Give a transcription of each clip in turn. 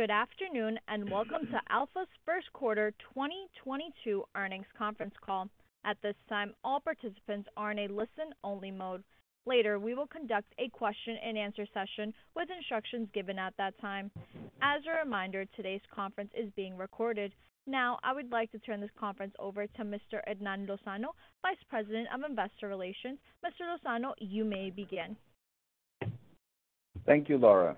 Good afternoon, and welcome to Alfa's First Quarter 2022 Earnings Conference Call. At this time, all participants are in a listen-only mode. Later, we will conduct a question and answer session with instructions given at that time. As a reminder, today's conference is being recorded. Now, I would like to turn this conference over to Mr. Hernán Lozano, Vice President of Investor Relations. Mr. Lozano, you may begin. Thank you, Laura.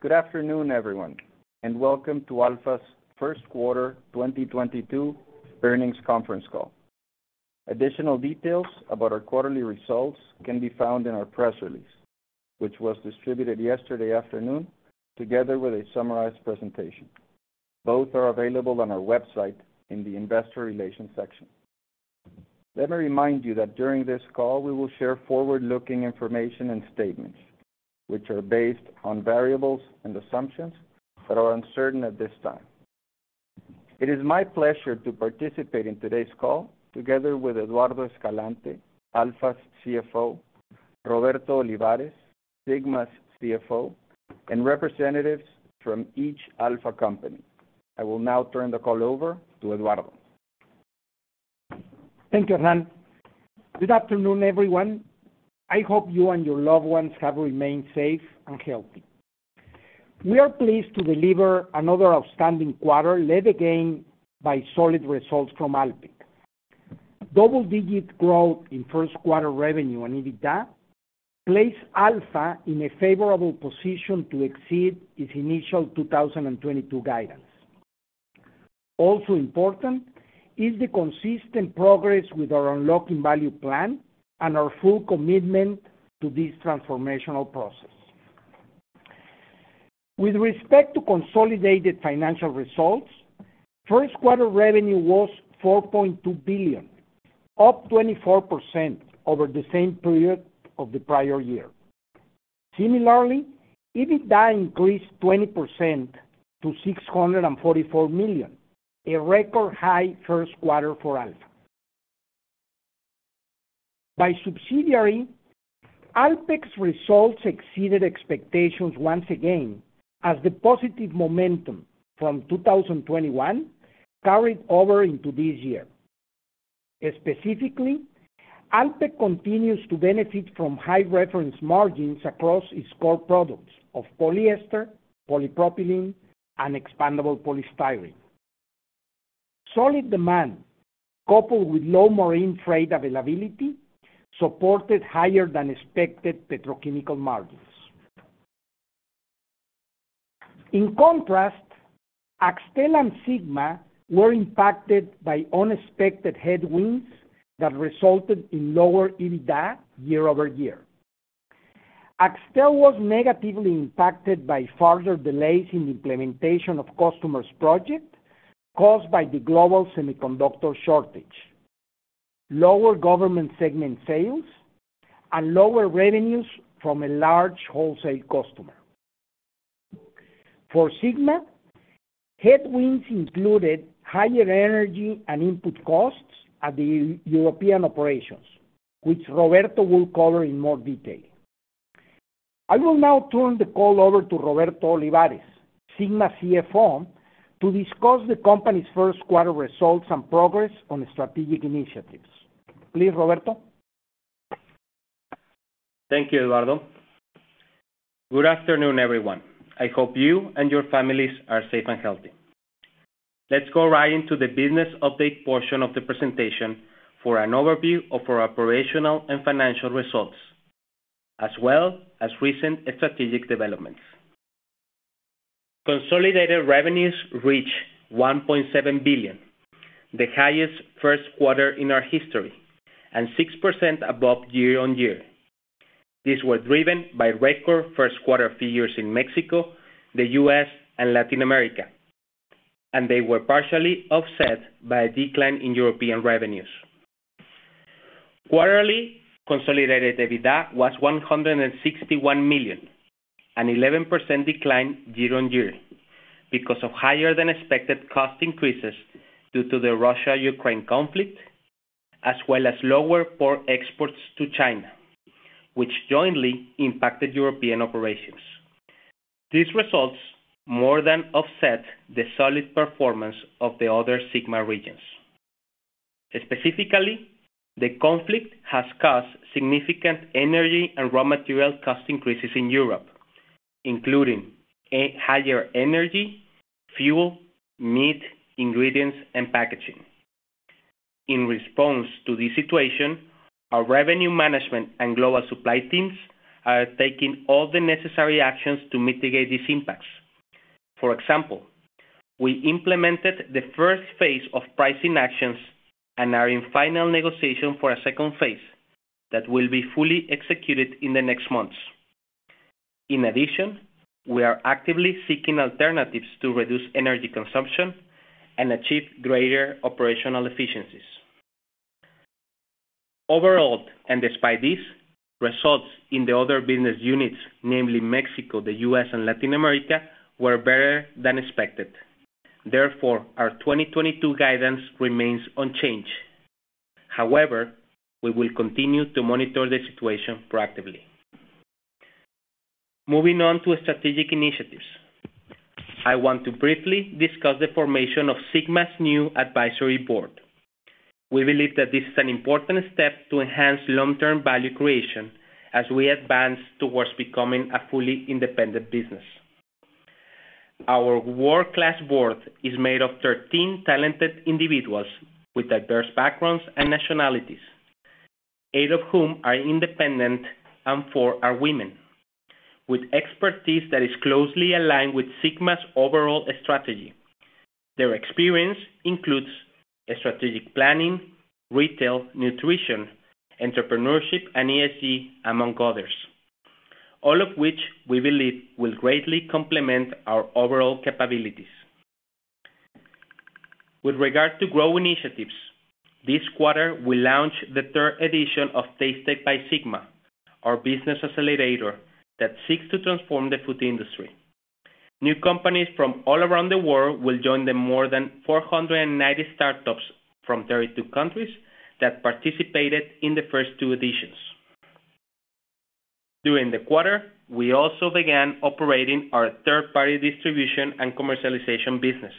Good afternoon, everyone, and welcome to Alfa's First Quarter 2022 Earnings Conference Call. Additional details about our quarterly results can be found in our press release, which was distributed yesterday afternoon together with a summarized presentation. Both are available on our website in the investor relations section. Let me remind you that during this call, we will share forward-looking information and statements which are based on variables and assumptions that are uncertain at this time. It is my pleasure to participate in today's call together with Eduardo Escalante, Alfa's CFO, Roberto Olivares, Sigma's CFO, and representatives from each Alfa company. I will now turn the call over to Eduardo. Thank you, Hernán. Good afternoon, everyone. I hope you and your loved ones have remained safe and healthy. We are pleased to deliver another outstanding quarter led again by solid results from Alpek. Double-digit growth in first quarter revenue and EBITDA placed Alfa in a favorable position to exceed its initial 2022 guidance. Also important is the consistent progress with our unlocking value plan and our full commitment to this transformational process. With respect to consolidated financial results, first quarter revenue was $4.2 billion, up 24% over the same period of the prior year. Similarly, EBITDA increased 20% to $644 million, a record high first quarter for Alfa. By subsidiary, Alpek's results exceeded expectations once again as the positive momentum from 2021 carried over into this year. Specifically, Alpek continues to benefit from high reference margins across its core products of polyester, polypropylene, and expandable polystyrene. Solid demand, coupled with low marine freight availability, supported higher than expected petrochemical margins. In contrast, Axtel and Sigma were impacted by unexpected headwinds that resulted in lower EBITDA year over year. Axtel was negatively impacted by further delays in the implementation of customers' project caused by the global semiconductor shortage, lower government segment sales, and lower revenues from a large wholesale customer. For Sigma, headwinds included higher energy and input costs at the European operations, which Roberto will cover in more detail. I will now turn the call over to Roberto Olivares, Sigma CFO, to discuss the company's first quarter results and progress on the strategic initiatives. Please, Roberto. Thank you, Eduardo. Good afternoon, everyone. I hope you and your families are safe and healthy. Let's go right into the business update portion of the presentation for an overview of our operational and financial results, as well as recent strategic developments. Consolidated revenues reached $1.7 billion, the highest first quarter in our history, and 6% above year-on-year. These were driven by record first quarter figures in Mexico, the U.S., and Latin America, and they were partially offset by a decline in European revenues. Quarterly consolidated EBITDA was $161 million, an 11% decline year-on-year because of higher than expected cost increases due to the Russia-Ukraine conflict, as well as lower pork exports to China, which jointly impacted European operations. These results more than offset the solid performance of the other Sigma regions. Specifically, the conflict has caused significant energy and raw material cost increases in Europe, including a higher energy, fuel, meat, ingredients, and packaging. In response to this situation, our revenue management and global supply teams are taking all the necessary actions to mitigate these impacts. For example, we implemented the first phase of pricing actions and are in final negotiation for a second phase that will be fully executed in the next months. In addition, we are actively seeking alternatives to reduce energy consumption and achieve greater operational efficiencies. Overall, and despite this, results in the other business units, namely Mexico, the U.S., and Latin America, were better than expected. Therefore, our 2022 guidance remains unchanged. However, we will continue to monitor the situation proactively. Moving on to strategic initiatives. I want to briefly discuss the formation of Sigma's new advisory board. We believe that this is an important step to enhance long-term value creation as we advance towards becoming a fully independent business. Our world-class board is made of 13 talented individuals with diverse backgrounds and nationalities, 8 of whom are independent and 4 are women, with expertise that is closely aligned with Sigma's overall strategy. Their experience includes strategic planning, retail, nutrition, entrepreneurship, and ESG, among others, all of which we believe will greatly complement our overall capabilities. With regard to growth initiatives, this quarter we launched the third edition of Tastech by Sigma, our business accelerator that seeks to transform the food industry. New companies from all around the world will join the more than 490 startups from 32 countries that participated in the first two editions. During the quarter, we also began operating our third-party distribution and commercialization business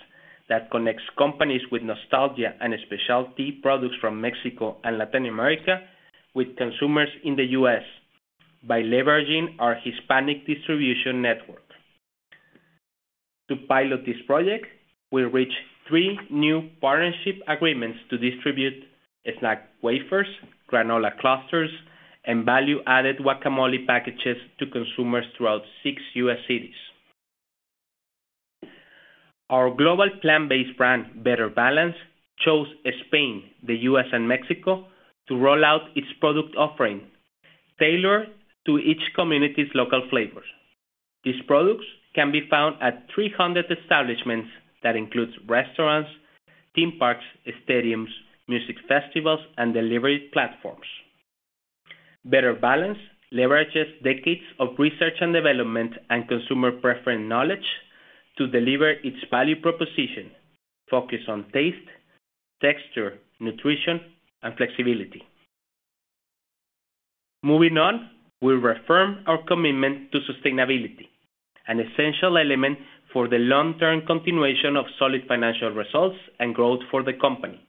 that connects companies with nostalgia and specialty products from Mexico and Latin America with consumers in the U.S. by leveraging our Hispanic distribution network. To pilot this project, we reached three new partnership agreements to distribute snack wafers, granola clusters, and value-added guacamole packages to consumers throughout six U.S. cities. Our global plant-based brand, Better Balance, chose Spain, the U.S., and Mexico to roll out its product offering tailored to each community's local flavors. These products can be found at 300 establishments that includes restaurants, theme parks, stadiums, music festivals, and delivery platforms. Better Balance leverages decades of research and development and consumer preference knowledge to deliver its value proposition focused on taste, texture, nutrition, and flexibility. Moving on, we reaffirm our commitment to sustainability, an essential element for the long-term continuation of solid financial results and growth for the company.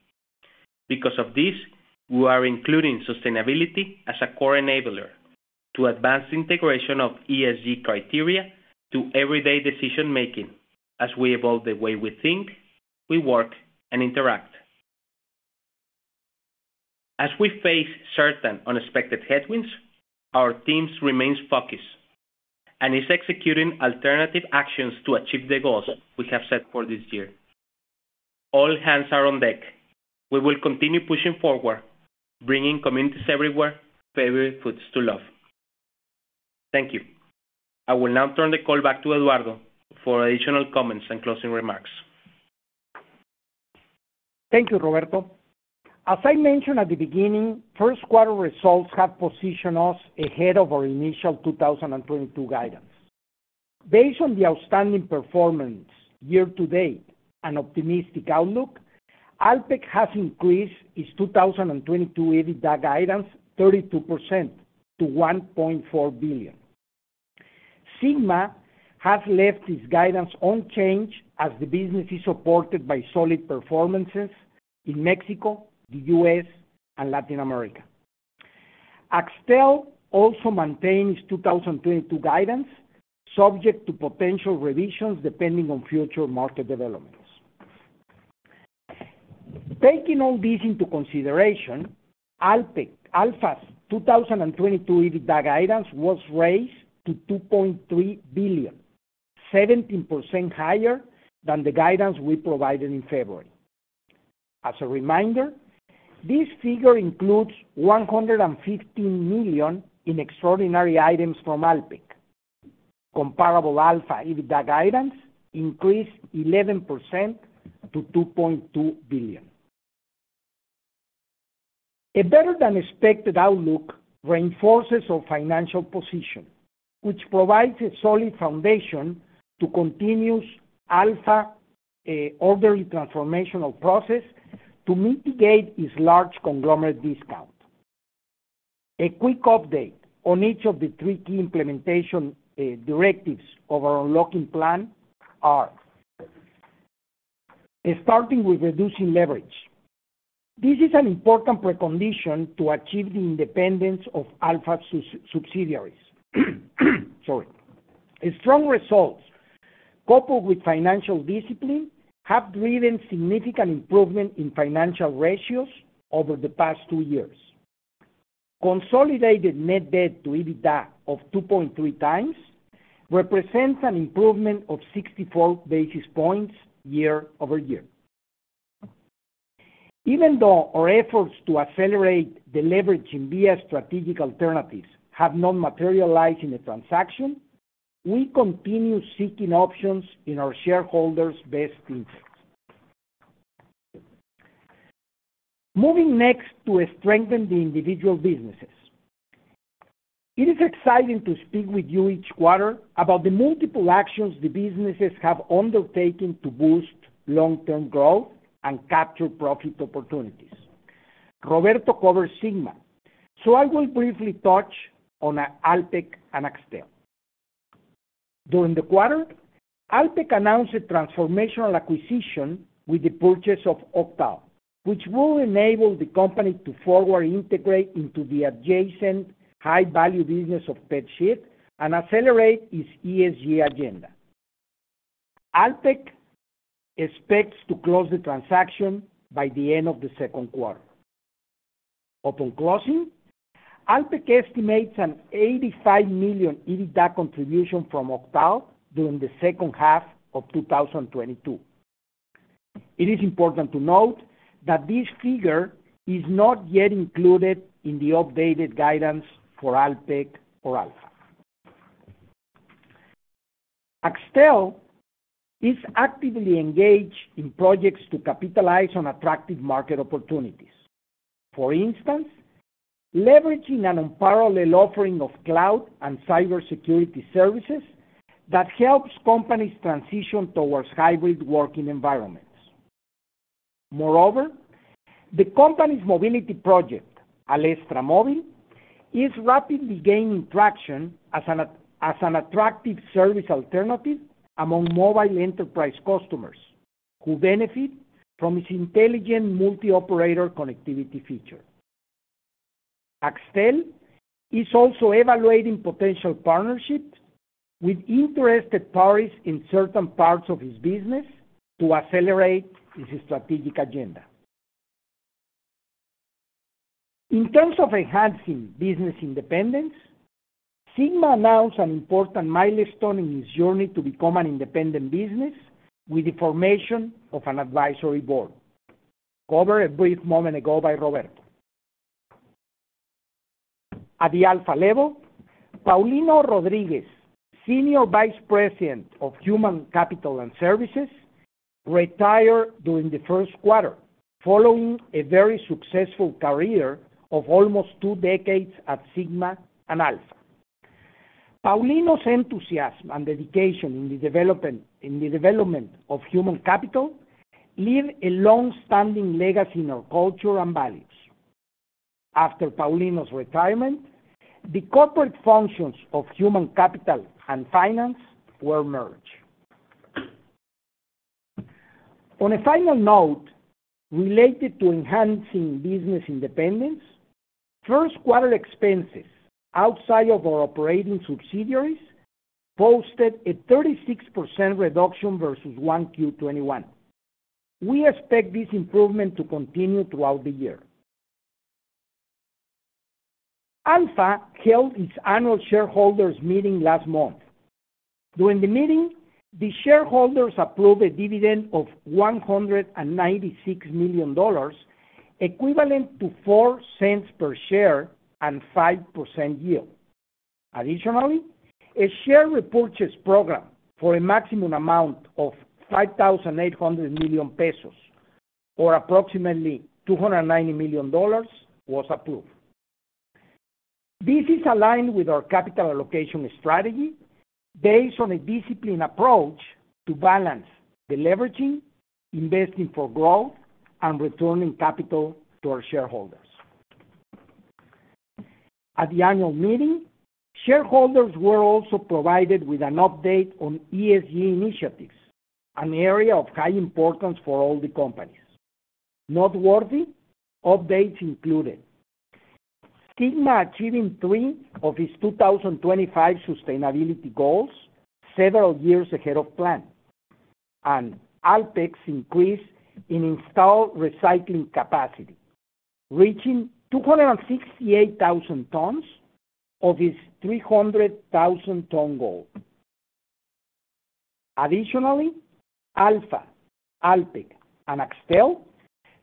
Because of this, we are including sustainability as a core enabler to advance integration of ESG criteria to everyday decision-making as we evolve the way we think, we work, and interact. As we face certain unexpected headwinds, our teams remains focused and is executing alternative actions to achieve the goals we have set for this year. All hands are on deck. We will continue pushing forward, bringing communities everywhere favorite foods to love. Thank you. I will now turn the call back to Eduardo for additional comments and closing remarks. Thank you, Roberto. As I mentioned at the beginning, first quarter results have positioned us ahead of our initial 2022 guidance. Based on the outstanding performance year to date and optimistic outlook, Alpek has increased its 2022 EBITDA guidance 32% to $1.4 billion. Sigma has left its guidance unchanged as the business is supported by solid performances in Mexico, the U.S., and Latin America. Axtel also maintains 2022 guidance, subject to potential revisions depending on future market developments. Taking all these into consideration, Alfa's 2022 EBITDA guidance was raised to $2.3 billion, 17% higher than the guidance we provided in February. As a reminder, this figure includes $115 million in extraordinary items from Alpek. Comparable Alfa EBITDA guidance increased 11% to $2.2 billion. A better-than-expected outlook reinforces our financial position, which provides a solid foundation to continuous Alfa orderly transformational process to mitigate its large conglomerate discount. A quick update on each of the three key implementation directives of our unlocking plan are, starting with reducing leverage. This is an important precondition to achieve the independence of Alfa's subsidiaries. Strong results coupled with financial discipline have driven significant improvement in financial ratios over the past two years. Consolidated net debt to EBITDA of 2.3 times represents an improvement of 64 basis points year-over-year. Even though our efforts to accelerate deleveraging via strategic alternatives have not materialized in a transaction, we continue seeking options in our shareholders' best interests. Moving next to strengthen the individual businesses. It is exciting to speak with you each quarter about the multiple actions the businesses have undertaken to boost long-term growth and capture profit opportunities. Roberto covered Sigma, so I will briefly touch on Alpek and Axtel. During the quarter, Alpek announced a transformational acquisition with the purchase of OCTAL, which will enable the company to forward integrate into the adjacent high-value business of PET sheet and accelerate its ESG agenda. Alpek expects to close the transaction by the end of the second quarter. Upon closing, Alpek estimates an $85 million EBITDA contribution from OCTAL during the second half of 2022. It is important to note that this figure is not yet included in the updated guidance for Alpek or Alfa. Axtel is actively engaged in projects to capitalize on attractive market opportunities. For instance, leveraging an unparalleled offering of cloud and cybersecurity services that helps companies transition towards hybrid working environments. Moreover, the company's mobility project, Alestra Móvil, is rapidly gaining traction as an attractive service alternative among mobile enterprise customers who benefit from its intelligent multi-operator connectivity feature. Axtel is also evaluating potential partnerships with interested parties in certain parts of its business to accelerate its strategic agenda. In terms of enhancing business independence, Sigma announced an important milestone in its journey to become an independent business with the formation of an advisory board, covered a brief moment ago by Roberto. At the Alfa level, Paulino Rodríguez, Senior Vice President of Human Capital and Services, retired during the first quarter following a very successful career of almost two decades at Sigma and Alfa. Paulino's enthusiasm and dedication in the development of human capital leave a long-standing legacy in our culture and values. After Paulino's retirement, the corporate functions of human capital and finance were merged. On a final note, related to enhancing business independence, first quarter expenses outside of our operating subsidiaries posted a 36% reduction versus 1Q 2021. We expect this improvement to continue throughout the year. Alfa held its annual shareholders meeting last month. During the meeting, the shareholders approved a dividend of $196 million, equivalent to $0.04 per share and 5% yield. Additionally, a share repurchase program for a maximum amount of 5,800 million pesos, or approximately $290 million was approved. This is aligned with our capital allocation strategy based on a disciplined approach to balance the leveraging, investing for growth, and returning capital to our shareholders. At the annual meeting, shareholders were also provided with an update on ESG initiatives, an area of high importance for all the companies. Noteworthy updates included Sigma achieving three of its 2025 sustainability goals several years ahead of plan. Alpek's increase in installed recycling capacity, reaching 268,000 tons of its 300,000-ton goal. Additionally, Alfa, Alpek, and Axtel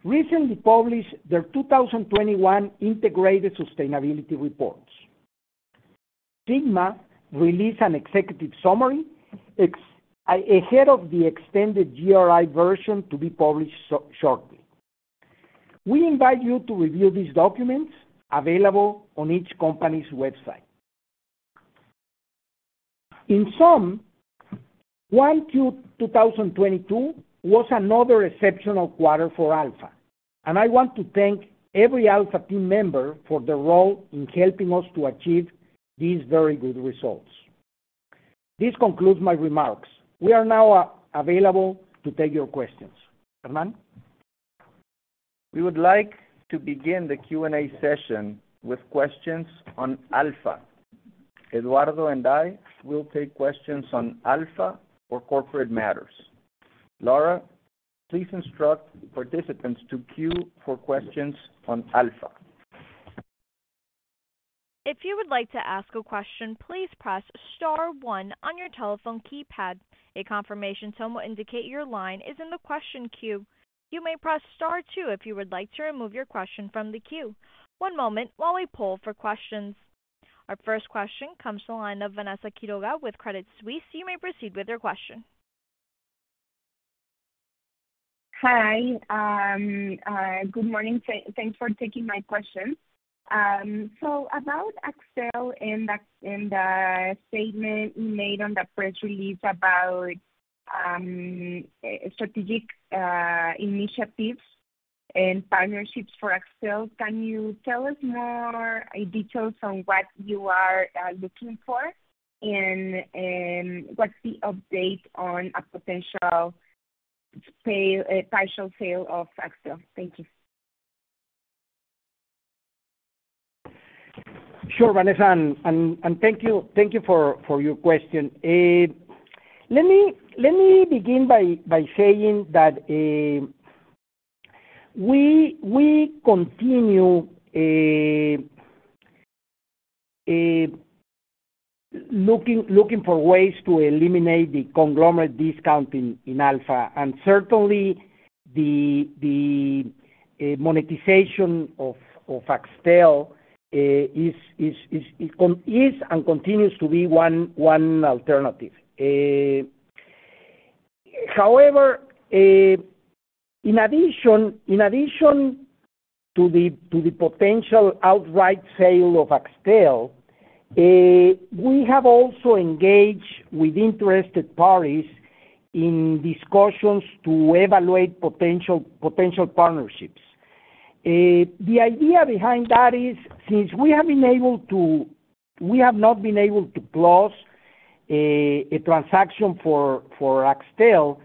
recently published their 2021 integrated sustainability reports. Sigma released an executive summary ahead of the extended GRI version to be published shortly. We invite you to review these documents available on each company's website. In sum, 1Q 2022 was another exceptional quarter for Alfa, and I want to thank every Alfa team member for their role in helping us to achieve these very good results. This concludes my remarks. We are now available to take your questions. Hernán? We would like to begin the Q&A session with questions on Alfa. Eduardo and I will take questions on Alfa for corporate matters. Laura, please instruct participants to queue for questions on Alfa. If you would like to ask a question, please press star one on your telephone keypad. A confirmation tone will indicate your line is in the question queue. You may press star two if you would like to remove your question from the queue. One moment while we poll for questions. Our first question comes to the line of Vanessa Quiroga with Credit Suisse. You may proceed with your question. Hi. Good morning. Thanks for taking my question. About Axtel and the statement you made on the press release about strategic initiatives and partnerships for Axtel, can you tell us more details on what you are looking for? What's the update on a potential sale, partial sale of Axtel? Thank you. Sure, Vanessa, and thank you for your question. Let me begin by saying that we continue looking for ways to eliminate the conglomerate discount in Alfa. Certainly, the monetization of Axtel is and continues to be one alternative. However, in addition to the potential outright sale of Axtel, we have also engaged with interested parties in discussions to evaluate potential partnerships. The idea behind that is since we have not been able to close a transaction for Axtel,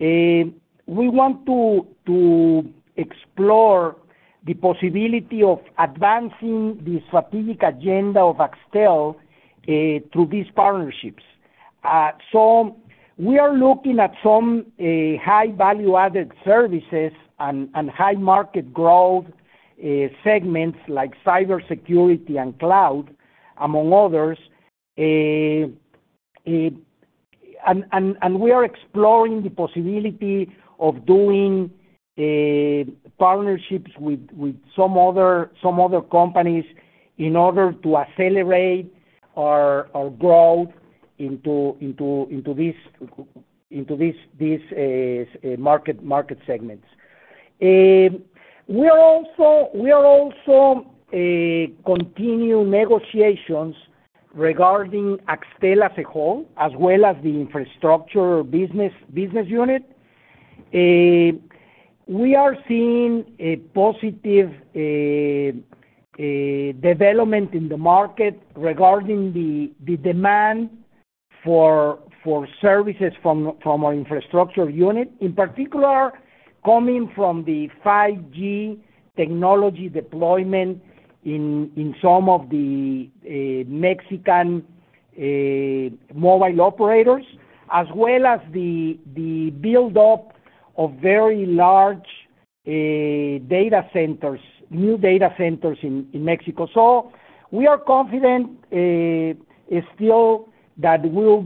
we want to explore the possibility of advancing the strategic agenda of Axtel through these partnerships. We are looking at some high value-added services and high market growth segments like cybersecurity and cloud, among others. We are exploring the possibility of doing partnerships with some other companies in order to accelerate our growth into this market segments. We are also continue negotiations regarding Axtel as a whole, as well as the infrastructure business unit. We are seeing a positive development in the market regarding the demand for services from our infrastructure unit, in particular, coming from the 5G technology deployment in some of the Mexican mobile operators, as well as the build-up of very large data centers, new data centers in Mexico. We are confident still that we'll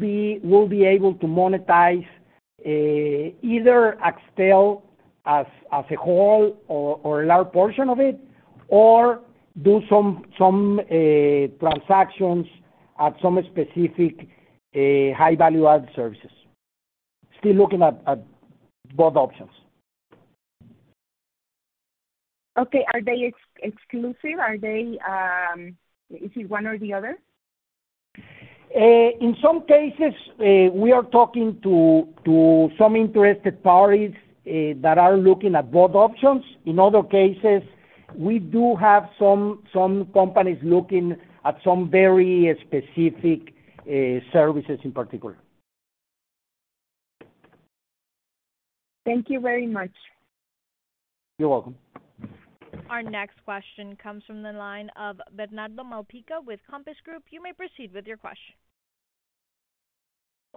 be able to monetize either Axtel as a whole or a large portion of it, or do some transactions at some specific high value-added services. Still looking at both options. Okay. Are they exclusive? Are they... Is it one or the other? In some cases, we are talking to some interested parties that are looking at both options. In other cases, we do have some companies looking at some very specific services in particular. Thank you very much. You're welcome. Our next question comes from the line of Bernardo Malpica with Compass Group. You may proceed with your question.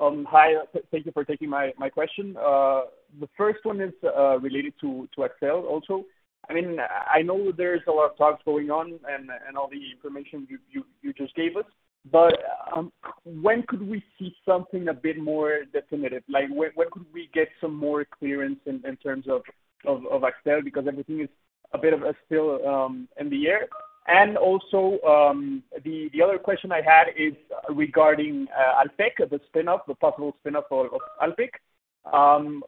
Hi. Thank you for taking my question. The first one is related to Axtel also. I mean, I know there is a lot of talks going on and all the information you just gave us. When could we see something a bit more definitive? Like, when could we get some more clearance in terms of Axtel? Because everything is a bit still in the air. The other question I had is regarding Alpek, the spin-off, the possible spin-off of Alpek.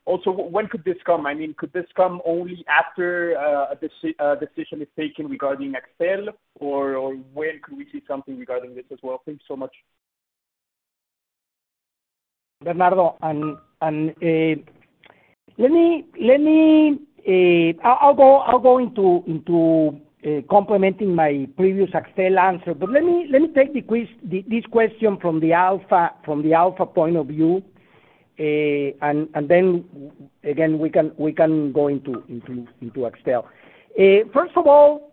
Also when could this come? I mean, could this come only after a decision is taken regarding Axtel? Or when could we see something regarding this as well? Thank you so much. Bernardo, I'll go into complementing my previous Axtel answer. Let me take this question from the Alfa point of view. Again, we can go into Axtel. First of all,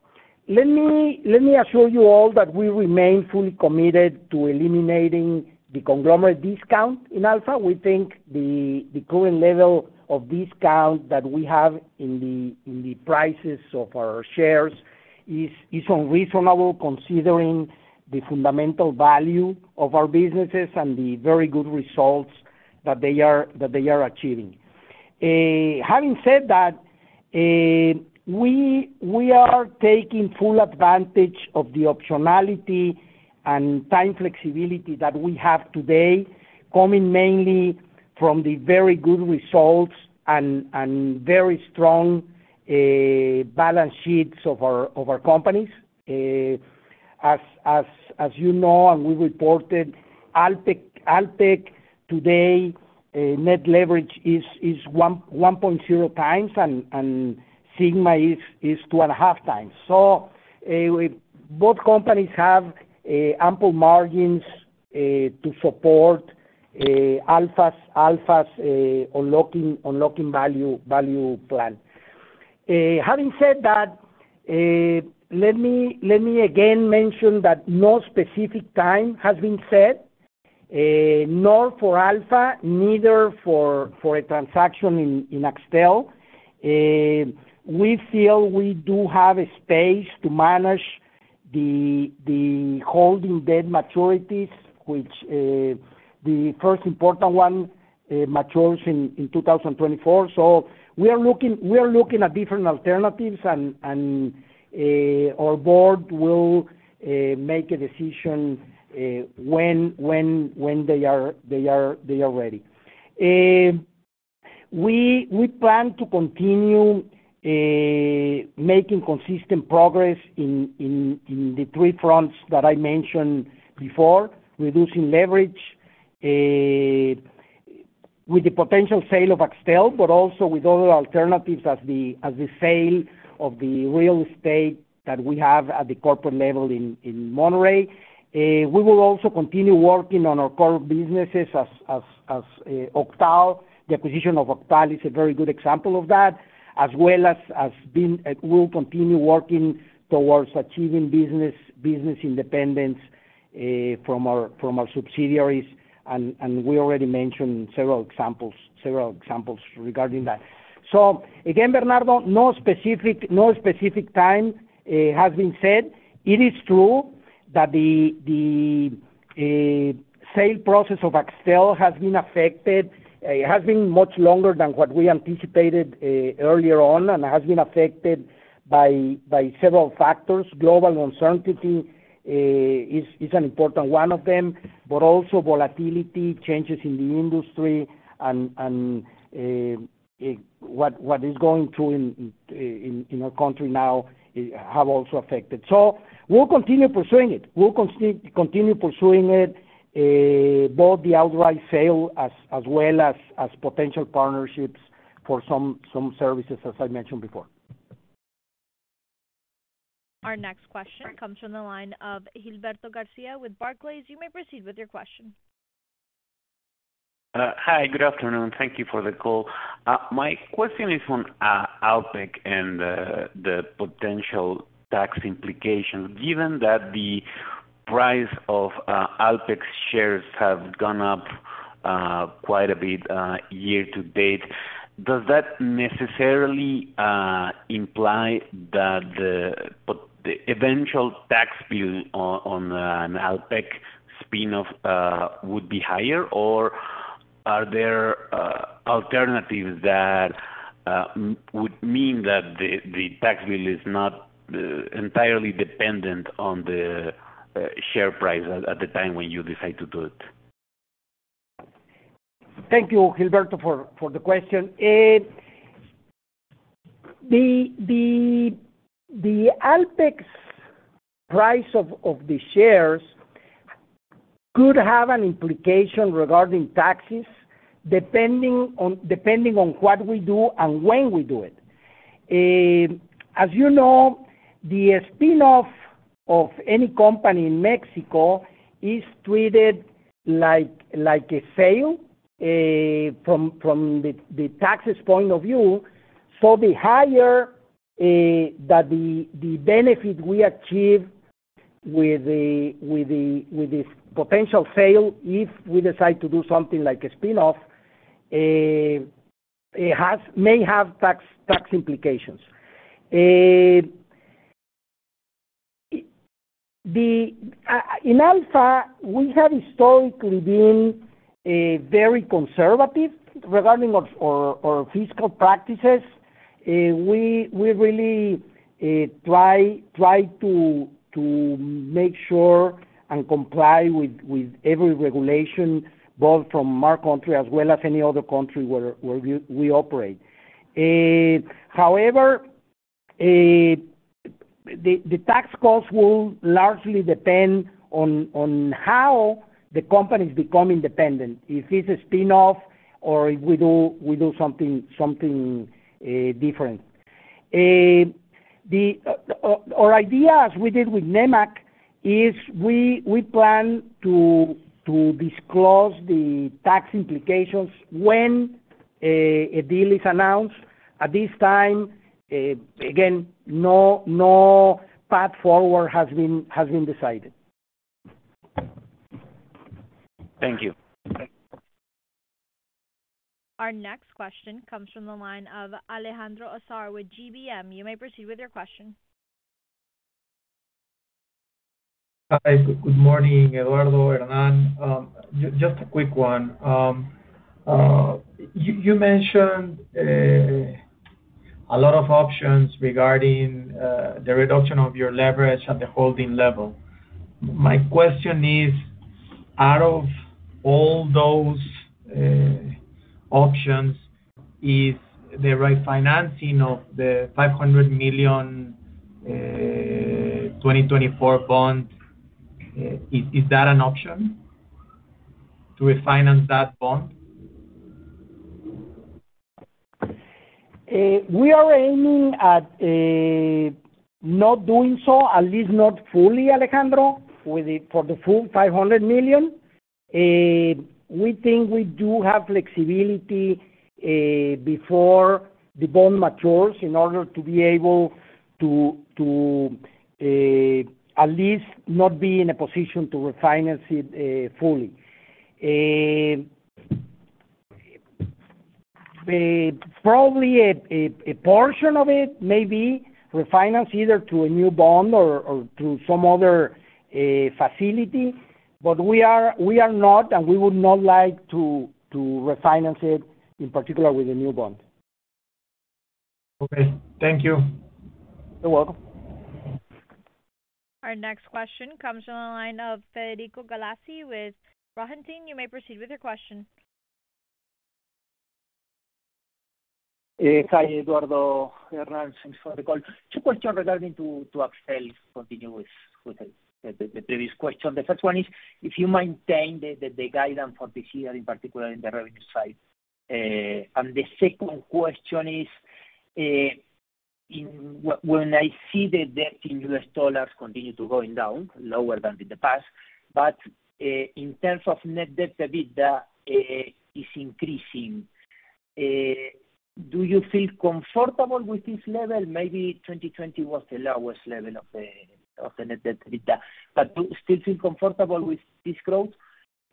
let me assure you all that we remain fully committed to eliminating the conglomerate discount in Alfa. We think the current level of discount that we have in the prices of our shares is unreasonable considering the fundamental value of our businesses and the very good results that they are achieving. Having said that, we are taking full advantage of the optionality and time flexibility that we have today, coming mainly from the very good results and very strong balance sheets of our companies. As you know, and we reported, Alpek today net leverage is 1.0 times and Sigma is 2.5 times. Both companies have ample margins to support Alfa's unlocking value plan. Having said that, let me again mention that no specific time has been set, nor for Alfa, neither for a transaction in Axtel. We feel we do have a space to manage the holding debt maturities, which the first important one matures in 2024. We are looking at different alternatives and our board will make a decision when they are ready. We plan to continue making consistent progress in the three fronts that I mentioned before, reducing leverage with the potential sale of Axtel, but also with other alternatives such as the sale of the real estate that we have at the corporate level in Monterrey. We will also continue working on our core businesses such as OCTAL. The acquisition of OCTAL is a very good example of that. We'll continue working towards achieving business independence from our subsidiaries. We already mentioned several examples regarding that. Again, Bernardo, no specific time has been set. It is true that the sale process of Axtel has been affected. It has been much longer than what we anticipated earlier on, and has been affected by several factors. Global uncertainty is an important one of them, but also volatility, changes in the industry and what is going through in our country now have also affected. We'll continue pursuing it, both the outright sale as well as potential partnerships for some services, as I mentioned before. Our next question comes from the line of Gilberto Garcia with Barclays. You may proceed with your question. Hi, good afternoon. Thank you for the call. My question is on Alpek and the potential tax implications. Given that the price of Alpek's shares have gone up quite a bit year to date, does that necessarily imply that the eventual tax bill on an Alpek spin-off would be higher? Or are there alternatives that would mean that the tax bill is not entirely dependent on the share price at the time when you decide to do it? Thank you, Gilberto, for the question. The Alpek's price of the shares could have an implication regarding taxes depending on what we do and when we do it. As you know, the spin-off of any company in Mexico is treated like a sale from the tax point of view. The higher the benefit we achieve with this potential sale, if we decide to do something like a spin-off, it may have tax implications. In Alfa, we have historically been very conservative regarding our fiscal practices. We really try to make sure and comply with every regulation, both from our country as well as any other country where we operate. However, the tax cost will largely depend on how the companies become independent, if it's a spin-off or if we do something different. Our idea, as we did with Nemak, is we plan to disclose the tax implications when a deal is announced. At this time, again, no path forward has been decided. Thank you. Our next question comes from the line of Alejandro Azar with GBM. You may proceed with your question. Hi, good morning, Eduardo, Hernán. Just a quick one. You mentioned a lot of options regarding the reduction of your leverage at the holding level. My question is, out of all those options, is the refinancing of the $500 million 2024 bond an option to refinance that bond? We are aiming at not doing so, at least not fully, Alejandro, for the full $500 million. We think we do have flexibility before the bond matures in order to be able to at least not be in a position to refinance it fully. Probably a portion of it may be refinanced either to a new bond or to some other facility. We are not and we would not like to refinance it, in particular with a new bond. Okay, thank you. You're welcome. Our next question comes from the line of Federico Galassi with Rohatyn. You may proceed with your question. Hi, Eduardo, Hernán. Thanks for the call. Two questions regarding Axtel, continuing with the previous question. The first one is, if you maintain the guidance for this year, in particular in the revenue side. The second question is, when I see the debt in US dollars continue to going down, lower than in the past, but in terms of net debt to EBITDA, is increasing. Do you feel comfortable with this level? Maybe 2020 was the lowest level of the net debt to EBITDA. But do you still feel comfortable with this growth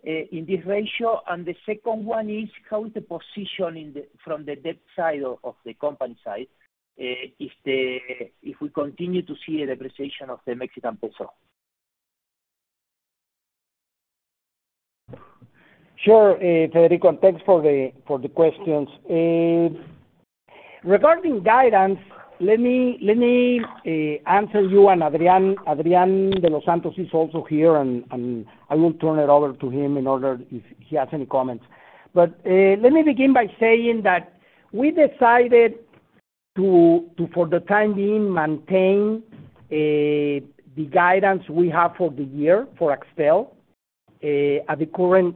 in this ratio? The second one is how the position in the from the debt side of the company side, if we continue to see a depreciation of the Mexican peso? Sure, Federico. Thanks for the questions. Regarding guidance, let me answer you and Adrian de los Santos is also here and I will turn it over to him in order if he has any comments. Let me begin by saying that we decided to, for the time being, maintain the guidance we have for the year for Axtel at the current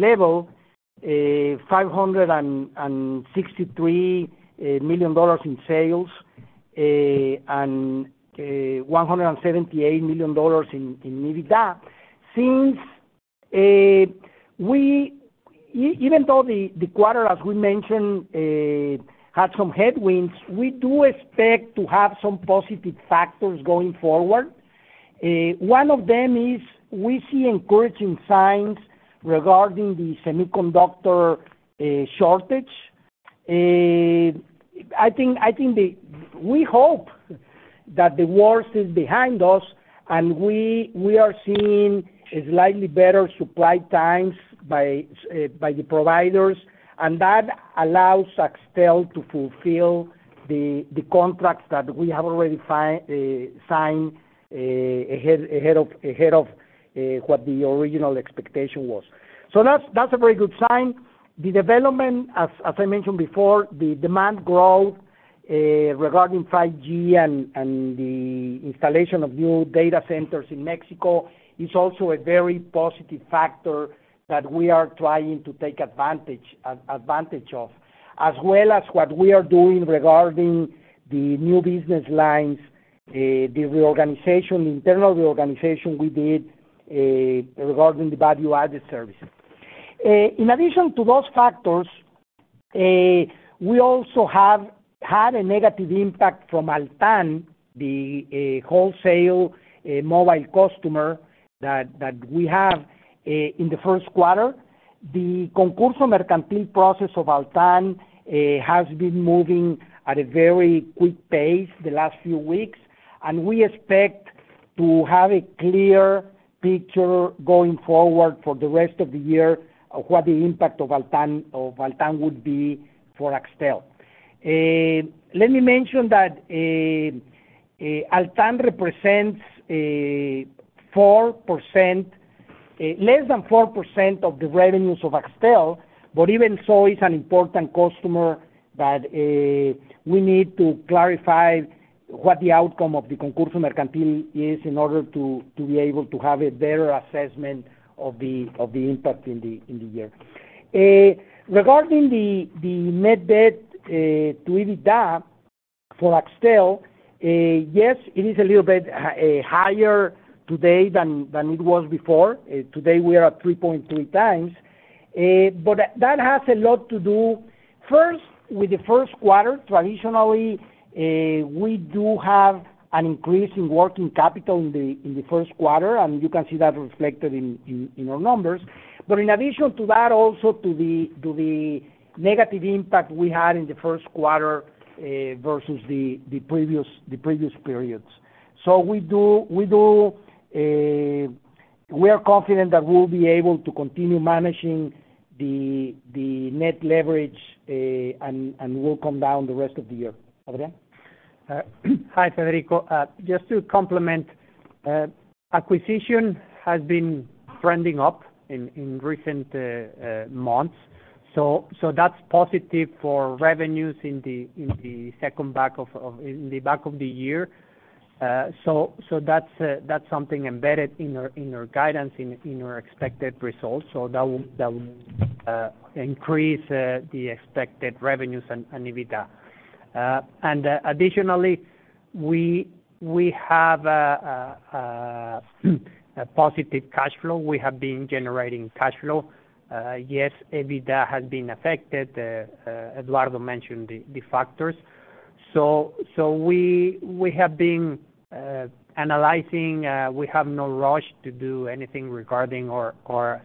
level, $563 million in sales and $178 million in EBITDA. Since even though the quarter, as we mentioned, had some headwinds, we do expect to have some positive factors going forward. One of them is we see encouraging signs regarding the semiconductor shortage. We hope that the worst is behind us, and we are seeing slightly better supply times by the providers, and that allows Axtel to fulfill the contracts that we have already signed ahead of what the original expectation was. So that's a very good sign. The development, as I mentioned before, the demand growth regarding 5G and the installation of new data centers in Mexico is also a very positive factor that we are trying to take advantage of, as well as what we are doing regarding the new business lines, the internal reorganization we did, regarding the value-added service. In addition to those factors, we also have had a negative impact from Altán, the wholesale mobile customer that we have in the first quarter. The Concurso Mercantil process of Altán has been moving at a very quick pace the last few weeks, and we expect to have a clear picture going forward for the rest of the year of what the impact of Altán would be for Axtel. Let me mention that Altan represents 4%, less than 4% of the revenues of Axtel. Even so, it's an important customer that we need to clarify what the outcome of the Concurso Mercantil is in order to be able to have a better assessment of the impact in the year. Regarding the net debt to EBITDA for Axtel, yes, it is a little bit higher today than it was before. Today we are at 3.3 times. But that has a lot to do, first, with the first quarter. Traditionally, we do have an increase in working capital in the first quarter, and you can see that reflected in our numbers. In addition to that, also to the negative impact we had in the first quarter versus the previous periods. We are confident that we'll be able to continue managing the net leverage, and will come down the rest of the year. Adrian? Hi, Federico. Just to complement, acquisition has been trending up in recent months. That's positive for revenues in the second half of the year. That's something embedded in our guidance in our expected results. That will increase the expected revenues and EBITDA. Additionally, we have a positive cash flow. We have been generating cash flow. Yes, EBITDA has been affected. Eduardo mentioned the factors. We have been analyzing. We have no rush to do anything regarding our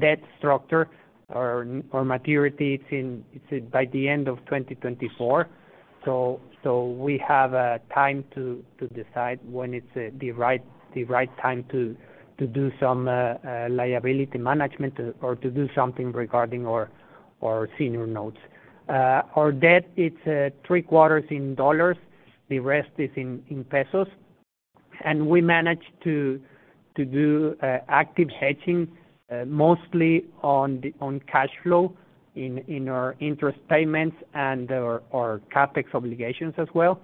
debt structure or maturities. It's by the end of 2024. We have time to decide when it's the right time to do some liability management or to do something regarding our senior notes. Our debt, it's three-quarters in dollars. The rest is in pesos. We managed to do active hedging, mostly on the cash flow in our interest payments and our CapEx obligations as well.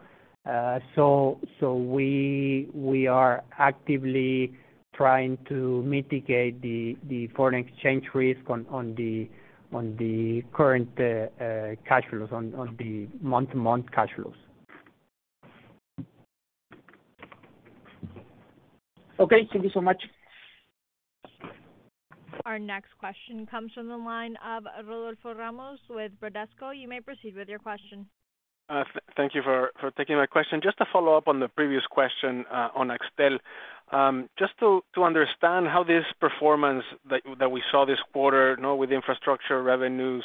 We are actively trying to mitigate the foreign exchange risk on the current cash flows on the month-to-month cash flows. Okay, thank you so much. Our next question comes from the line of Rodolfo Ramos with Bradesco. You may proceed with your question. Thank you for taking my question. Just to follow up on the previous question on Axtel. Just to understand how this performance that we saw this quarter, you know, with infrastructure revenues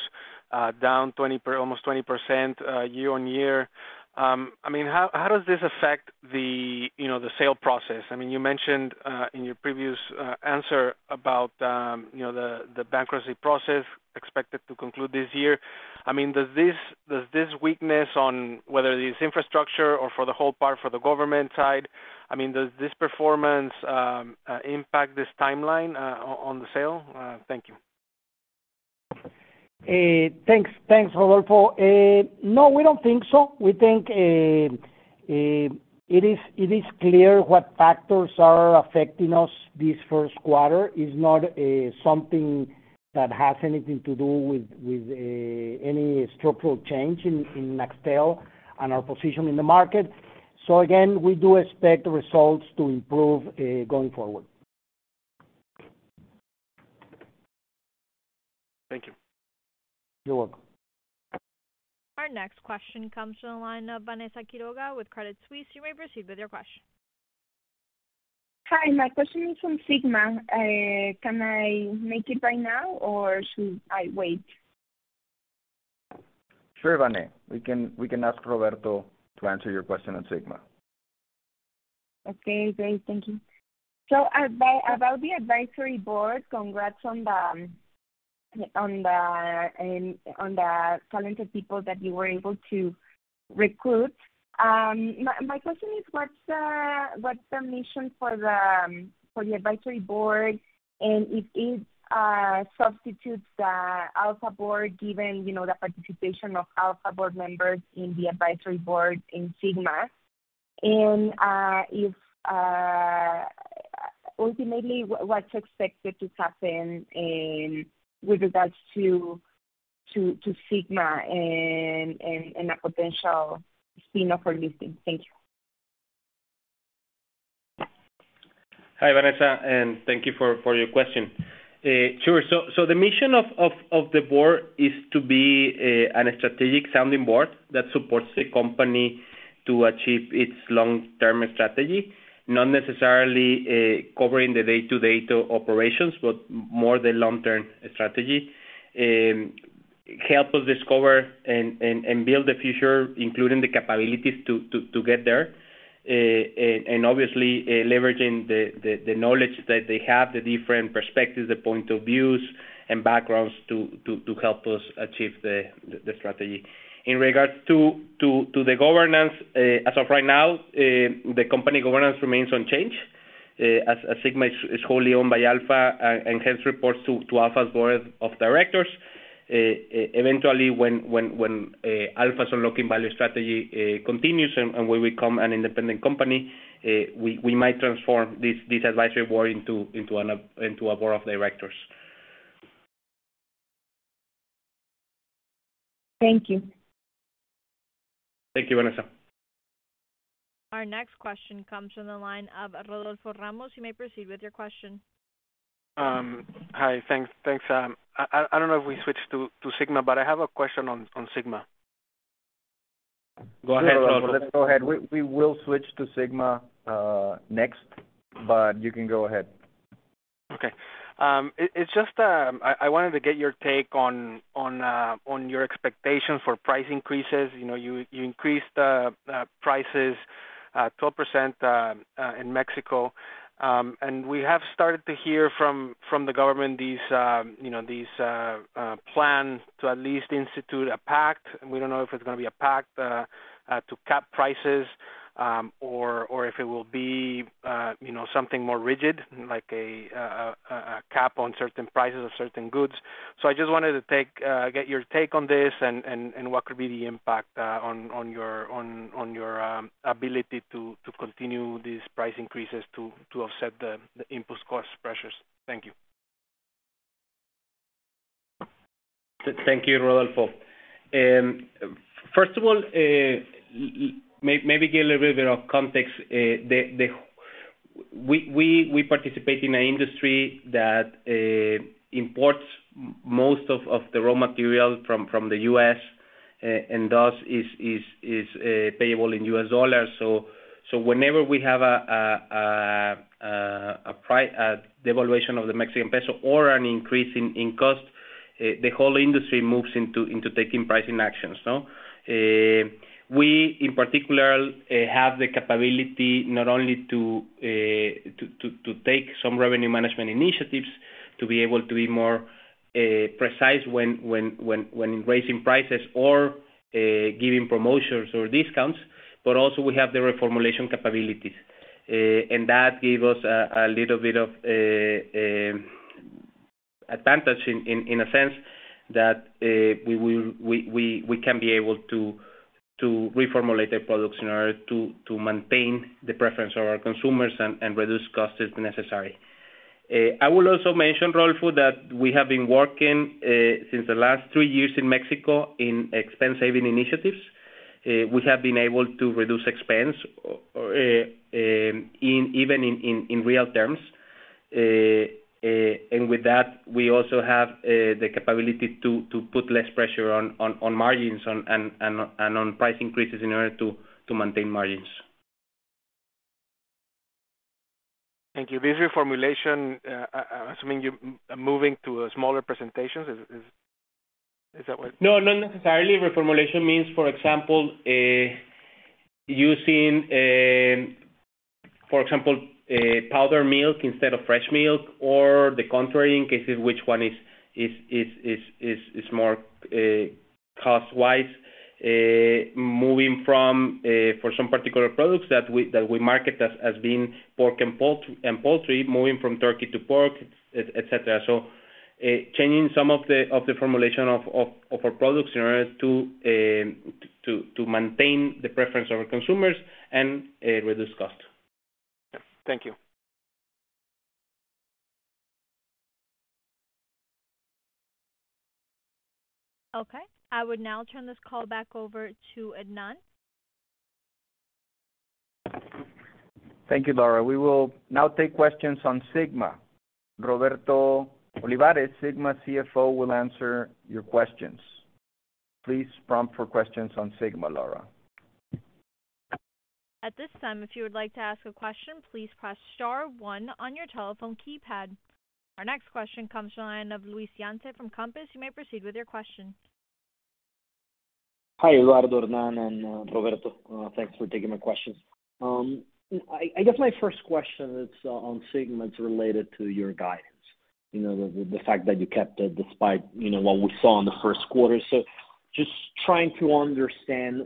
down 20%, almost 20%, year-on-year. I mean, how does this affect the sale process? I mean, you mentioned in your previous answer about the bankruptcy process expected to conclude this year. I mean, does this weakness on whether it is infrastructure or for the whole part for the government side, I mean, does this performance impact this timeline on the sale? Thank you. Thanks, Rodolfo. No, we don't think so. We think it is clear what factors are affecting us this first quarter. It's not something that has anything to do with any structural change in Axtel and our position in the market. Again, we do expect the results to improve going forward. Thank you. You're welcome. Our next question comes from the line of Vanessa Quiroga with Credit Suisse. You may proceed with your question. Hi, my question is on Sigma. Can I make it right now or should I wait? Sure, Vane. We can ask Roberto to answer your question on Sigma. Okay, great. Thank you. About the advisory board, congrats on the talented people that you were able to recruit. My question is, what's the mission for the advisory board? And if it substitutes the Alfa board given, you know, the participation of Alfa board members in the advisory board in Sigma. And ultimately, what's expected to happen with regards to Sigma and a potential spin-off or listing? Thank you. Hi, Vanessa. Thank you for your question. The mission of the board is to be a strategic sounding board that supports the company to achieve its long-term strategy. Not necessarily covering the day-to-day operations, but more the long-term strategy. Help us discover and build the future, including the capabilities to get there. Obviously leveraging the knowledge that they have, the different perspectives, the points of view and backgrounds to help us achieve the strategy. In regards to the governance, as of right now, the company governance remains unchanged. As Sigma is wholly owned by Alfa, and hence reports to Alfa's board of directors. Eventually, when Alfa's unlocking value strategy, we might transform this advisory board into a board of directors. Thank you. Thank you, Vanessa. Our next question comes from the line of Rodolfo Ramos. You may proceed with your question. Hi. Thanks. I don't know if we switched to Sigma, but I have a question on Sigma. Go ahead, Rodolfo. Sure, Rodolfo. Let's go ahead. We will switch to Sigma next, but you can go ahead. It's just I wanted to get your take on your expectation for price increases. You know, you increased prices 12% in Mexico. We have started to hear from the government these plans to at least institute a pact, and we don't know if it's gonna be a pact to cap prices, or if it will be, you know, something more rigid, like a cap on certain prices of certain goods. I just wanted to get your take on this and what could be the impact on your ability to continue these price increases to offset the input cost pressures. Thank you. Thank you, Rodolfo. First of all, maybe give a little bit of context. We participate in an industry that imports most of the raw material from the U.S. and thus is payable in U.S. dollars. Whenever we have a devaluation of the Mexican peso or an increase in cost, the whole industry moves into taking pricing actions. We, in particular, have the capability not only to take some revenue management initiatives to be able to be more precise when raising prices or giving promotions or discounts, but also we have the reformulation capabilities. That gave us a little bit of advantage in a sense that we can be able to reformulate the products in order to maintain the preference of our consumers and reduce costs if necessary. I will also mention, Rodolfo, that we have been working since the last three years in Mexico in expense-saving initiatives. We have been able to reduce expense in even real terms. With that, we also have the capability to put less pressure on margins and on price increases in order to maintain margins. Thank you. This reformulation, I'm assuming you are moving to a smaller presentations. Is that what? No, not necessarily. Reformulation means, for example, using, for example, powder milk instead of fresh milk or the contrary in cases which one is more cost-wise. Moving from, for some particular products that we market as being pork and poultry, moving from turkey to pork, et cetera. Changing some of the formulation of our products in order to maintain the preference of our consumers and reduce cost. Thank you. Okay. I would now turn this call back over to Hernán. Thank you, Laura. We will now take questions on Sigma. Roberto Olivares, Sigma CFO, will answer your questions. Please prompt for questions on Sigma, Laura. At this time, if you would like to ask a question, please press star one on your telephone keypad. Our next question comes from the line of Luis Yance from Compass. You may proceed with your question. Hi, Eduardo, Hernán, and Roberto. Thanks for taking my questions. I guess my first question is on Sigma. It's related to your guidance, you know, the fact that you kept it despite, you know, what we saw in the first quarter. Just trying to understand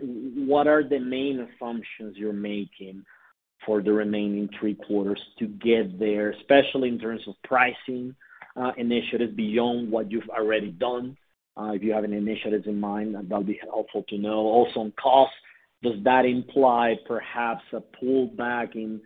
what are the main assumptions you're making for the remaining three quarters to get there, especially in terms of pricing initiatives beyond what you've already done. If you have any initiatives in mind, that'd be helpful to know. Also on cost, does that imply perhaps a pullback in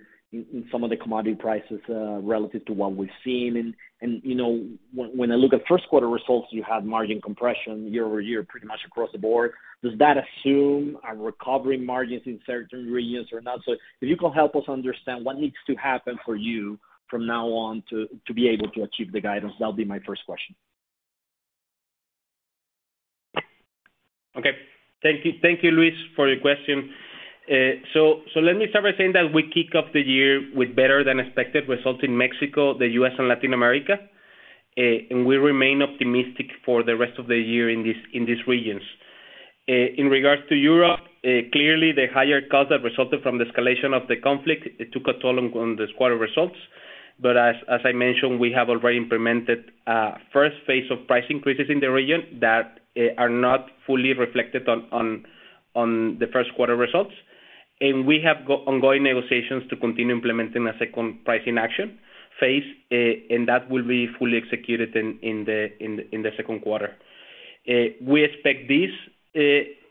some of the commodity prices relative to what we've seen? You know, when I look at first quarter results, you have margin compression year-over-year pretty much across the board. Does that assume a recovery of margins in certain regions or not? If you can help us understand what needs to happen for you from now on to be able to achieve the guidance, that'll be my first question. Okay. Thank you. Thank you, Luis, for your question. So let me start by saying that we kick off the year with better than expected results in Mexico, the U.S., and Latin America. We remain optimistic for the rest of the year in these regions. In regards to Europe, clearly the higher costs that resulted from the escalation of the conflict, it took a toll on this quarter's results. As I mentioned, we have already implemented first phase of price increases in the region that are not fully reflected on the first quarter results. We have ongoing negotiations to continue implementing a second pricing action phase, and that will be fully executed in the second quarter. We expect this,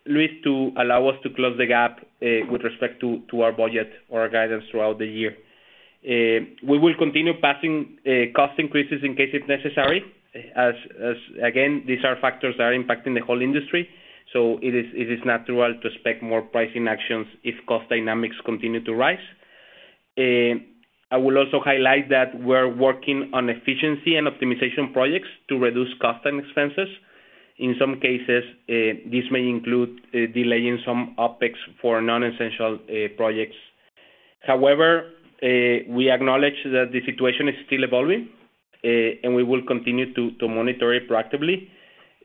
Luis, to allow us to close the gap with respect to our budget or our guidance throughout the year. We will continue passing cost increases in case if necessary, as again, these are factors that are impacting the whole industry. It is natural to expect more pricing actions if cost dynamics continue to rise. I will also highlight that we're working on efficiency and optimization projects to reduce cost and expenses. In some cases, this may include delaying some OpEx for non-essential projects. However, we acknowledge that the situation is still evolving, and we will continue to monitor it proactively.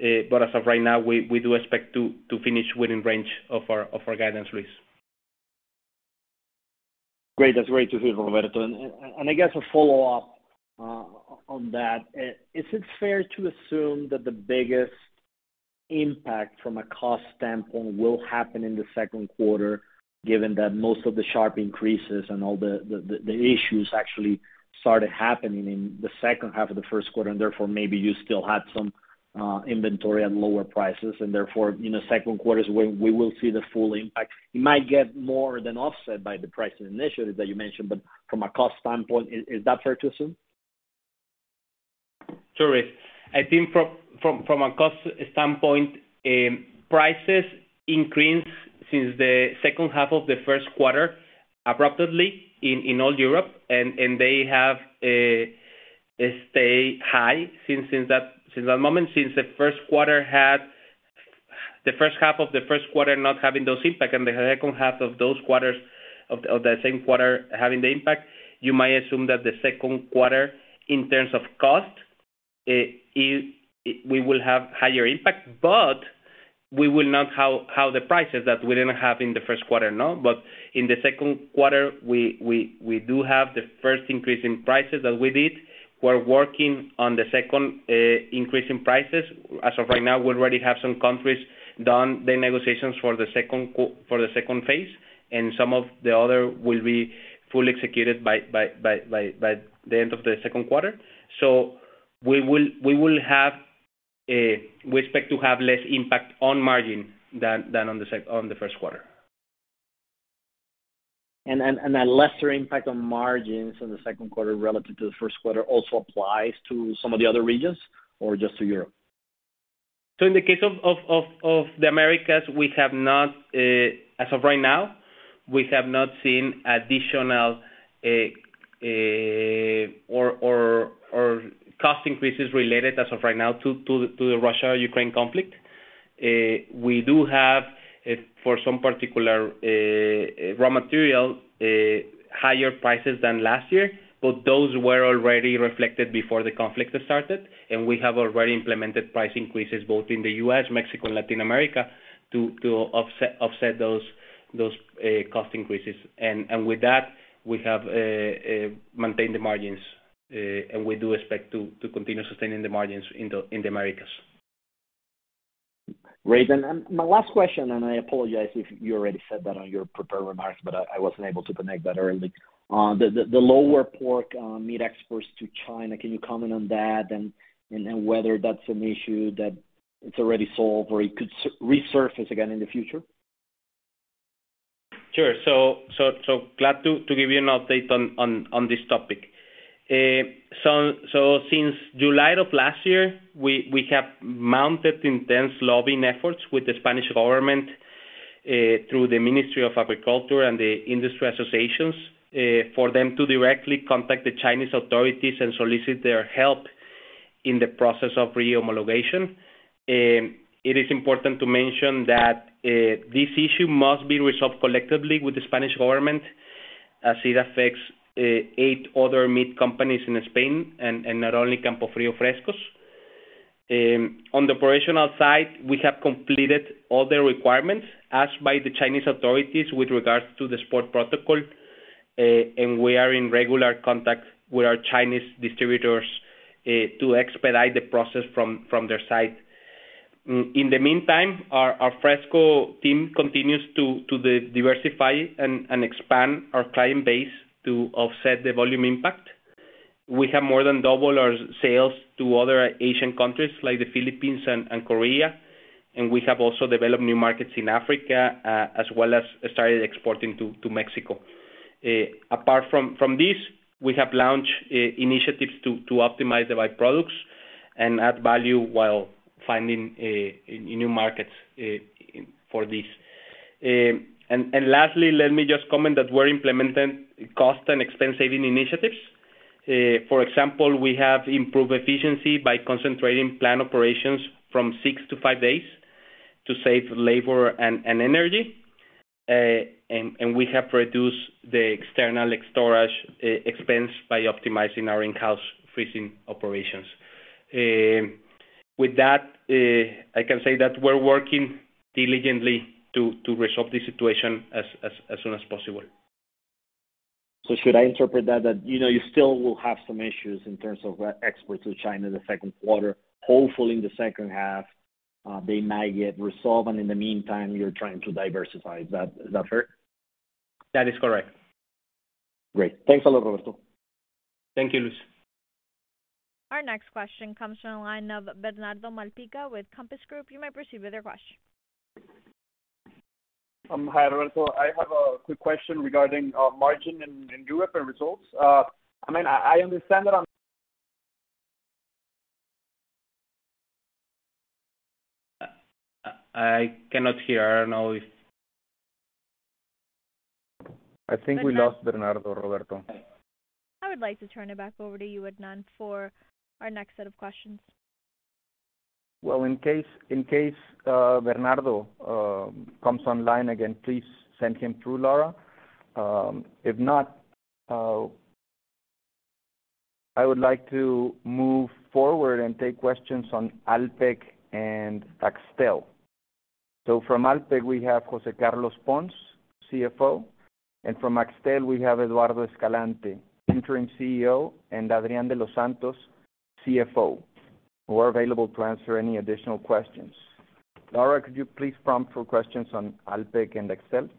As of right now, we do expect to finish within range of our guidance release. Great. That's great to hear, Roberto. I guess a follow-up on that. Is it fair to assume that the biggest impact from a cost standpoint will happen in the second quarter, given that most of the sharp increases and all the issues actually started happening in the second half of the first quarter, and therefore, maybe you still had some inventory at lower prices, and therefore, you know, second quarter is when we will see the full impact? It might get more than offset by the pricing initiatives that you mentioned, but from a cost standpoint, is that fair to assume? Sure. I think from a cost standpoint, prices increased since the second half of the first quarter abruptly in all Europe, and they have stayed high since that moment. Since the first quarter had the first half of the first quarter not having those impact and the second half of the same quarter having the impact, you might assume that the second quarter in terms of cost we will have higher impact, but we will not have the prices that we didn't have in the first quarter, no. In the second quarter, we do have the first increase in prices that we did. We're working on the second increase in prices. As of right now, we already have some countries done the negotiations for the second phase, and some of the other will be fully executed by the end of the second quarter. We expect to have less impact on margin than on the first quarter. that lesser impact on margins in the second quarter relative to the first quarter also applies to some of the other regions or just to Europe? In the case of the Americas, we have not as of right now seen additional cost increases related as of right now to the Russia-Ukraine conflict. We do have for some particular raw material higher prices than last year, but those were already reflected before the conflict started, and we have already implemented price increases both in the U.S., Mexico, and Latin America to offset those cost increases. With that, we have maintained the margins, and we do expect to continue sustaining the margins in the Americas. Great. My last question, and I apologize if you already said that on your prepared remarks, but I wasn't able to connect that early. The lower pork meat exports to China, can you comment on that and whether that's an issue that it's already solved or it could resurface again in the future? Sure. Glad to give you an update on this topic. Since July of last year, we have mounted intense lobbying efforts with the Spanish government through the Ministry of Agriculture and the industry associations for them to directly contact the Chinese authorities and solicit their help in the process of re-homologation. It is important to mention that this issue must be resolved collectively with the Spanish government as it affects eight other meat companies in Spain and not only Campofrío Frescos. On the operational side, we have completed all the requirements asked by the Chinese authorities with regards to the export protocol, and we are in regular contact with our Chinese distributors to expedite the process from their side. In the meantime, our Frescos team continues to diversify and expand our client base to offset the volume impact. We have more than doubled our sales to other Asian countries like the Philippines and Korea, and we have also developed new markets in Africa, as well as started exporting to Mexico. Apart from this, we have launched initiatives to optimize the by-products and add value while finding new markets for this. Lastly, let me just comment that we're implementing cost and expense saving initiatives. For example, we have improved efficiency by concentrating plant operations from six to five days to save labor and energy. We have reduced the external storage expense by optimizing our in-house freezing operations. With that, I can say that we're working diligently to resolve the situation as soon as possible. Should I interpret that, you know, you still will have some issues in terms of exports to China in the second quarter. Hopefully in the second half, they might get resolved, and in the meantime, you're trying to diversify. Is that fair? That is correct. Great. Thanks a lot, Roberto. Thank you, Luis. Our next question comes from the line of Bernardo Malpica with Compass Group. You may proceed with your question. Hi, Roberto. I have a quick question regarding margin in Europe and results. I mean, I understand that on- I cannot hear. I don't know if- I think we lost Bernardo, Roberto. I would like to turn it back over to you, Hernán, for our next set of questions. In case Bernardo comes online again, please send him through, Laura. If not, I would like to move forward and take questions on Alpek and Axtel. From Alpek, we have José Carlos Pons, CFO. From Axtel, we have Eduardo Escalante, interim CEO, and Adrian de los Santos, CFO, who are available to answer any additional questions. Laura, could you please prompt for questions on Alpek and Axtel?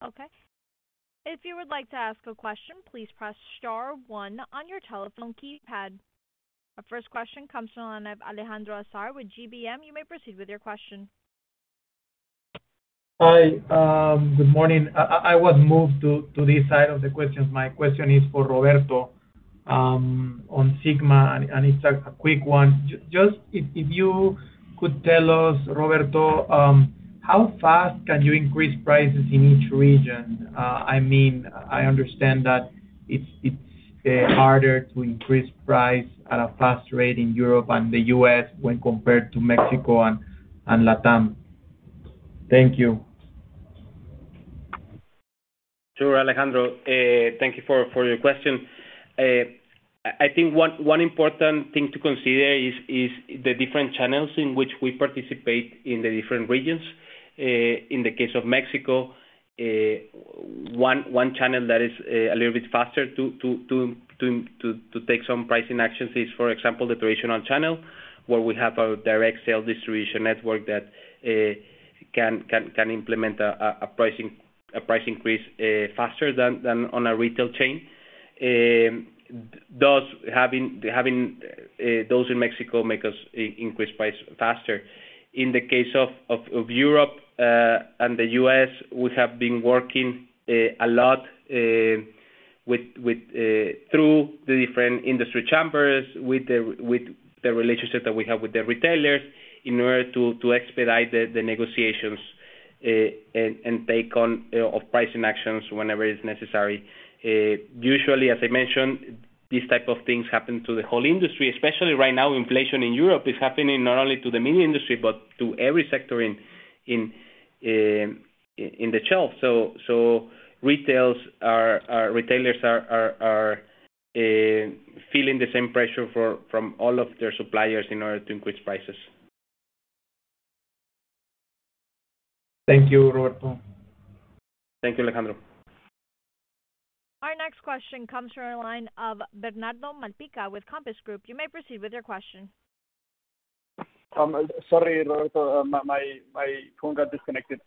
Our first question comes from the line of Alejandro Azar with GBM. You may proceed with your question. Hi. Good morning. I was moved to this side of the questions. My question is for Roberto on Sigma, and it's a quick one. Just if you could tell us, Roberto, how fast can you increase prices in each region? I mean, I understand that it's harder to increase price at a fast rate in Europe and the U.S. when compared to Mexico and LatAm. Thank you. Sure, Alejandro. Thank you for your question. I think one important thing to consider is the different channels in which we participate in the different regions. In the case of Mexico, one channel that is a little bit faster to take some pricing actions is, for example, the traditional channel, where we have a direct sales distribution network that can implement a price increase faster than on a retail chain. Thus having those in Mexico make us increase price faster. In the case of Europe and the U.S., we have been working a lot through the different industry chambers with the relationship that we have with the retailers in order to expedite the negotiations and take on pricing actions whenever it's necessary. Usually, as I mentioned, these type of things happen to the whole industry, especially right now, inflation in Europe is happening not only to the meat industry, but to every sector on the shelf. Retailers are feeling the same pressure from all of their suppliers in order to increase prices. Thank you, Roberto. Thank you, Alejandro. Our next question comes from the line of Bernardo Malpica with Compass Group. You may proceed with your question. Sorry, Roberto. My phone got disconnected.